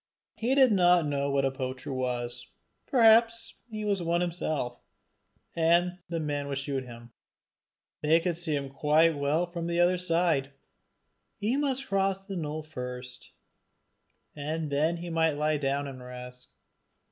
He did not know what a poacher was: perhaps he was one himself, and the man would shoot him. They could see him quite well from the other side! he must cross the knoll first, and then he might lie down and rest.